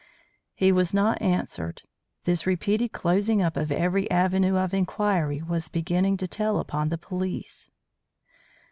He was not answered. This repeated closing up of every avenue of inquiry was beginning to tell upon the police.